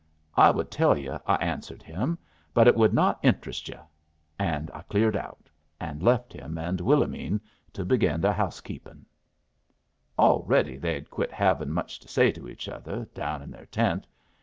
'I would tell yu', I answered him; 'but it would not inter est yu'.' And I cleared out, and left him and Willomene to begin their housekeepin'. "Already they had quit havin' much to say to each other down in their tent.